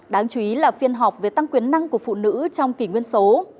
đáng chú ý là phiên họp về tăng quyền năng của phụ nữ trong kỷ nguyên số